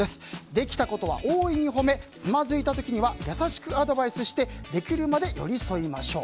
できたことは大いに褒めつまずいた時には優しくアドバイスしてできるまで寄り添いましょう。